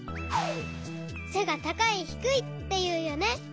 せが「たかい」「ひくい」っていうよね。